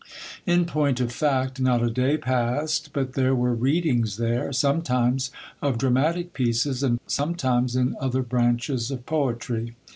In point of fact, not a day passed, but there were readings there, sometimes of dramatic pieces, and sometimes in other branches of poetry.